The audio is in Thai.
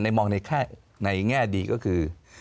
มองในแง่ดีก็คือ